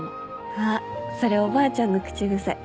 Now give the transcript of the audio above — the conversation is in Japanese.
あっそれおばあちゃんの口癖。